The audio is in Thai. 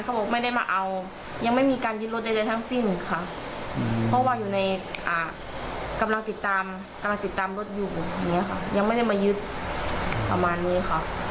กำลังติดตามรถอยู่อย่างเงี้ยค่ะยังไม่ได้มายึดประมาณนี้ค่ะ